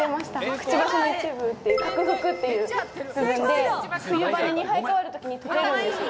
くちばしの一部の嘴覆という部分で、冬羽に生え変わるときに取れるんですよ。